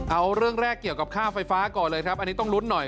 เอาเรื่องแรกเกี่ยวกับค่าไฟฟ้าก่อนเลยครับอันนี้ต้องลุ้นหน่อย